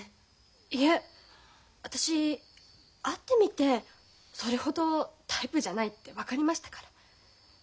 いえ私会ってみてそれほどタイプじゃないって分かりましたから。